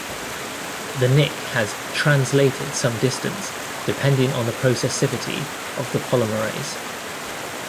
The nick has "translated" some distance depending on the processivity of the polymerase.